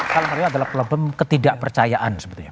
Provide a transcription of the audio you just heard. salah satu adalah problem ketidak percayaan sebetulnya